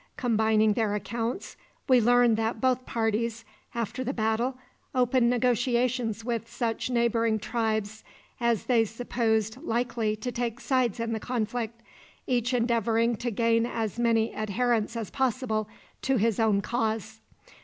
Combining their accounts, we learn that both parties, after the battle, opened negotiations with such neighboring tribes as they supposed likely to take sides in the conflict, each endeavoring to gain as many adherents as possible to his own cause.